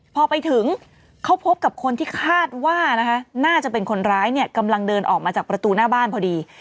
พอไปถึงเขาพบกับคนที่คาดว่านะคะน่าจะเป็นคนร้ายเนี่ยกำลังเดินออกมาจากประตูหน้าบ้านพอดี